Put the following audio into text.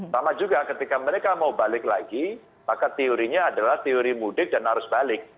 sama juga ketika mereka mau balik lagi maka teorinya adalah teori mudik dan arus balik